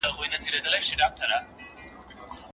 ذهني ازادي انسان ته روغتیا بخښي.